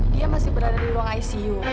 dia masih berada di ruang icu